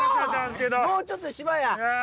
もうちょっとで芝や。